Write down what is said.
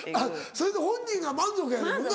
それで本人が満足やねんもんな。